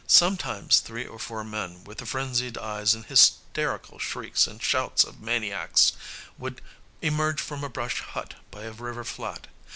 Sometimes three or four men, with the frenzied eyes and hysterical shrieks and shouts of maniacs, would emerge from a brush hut by a river flat.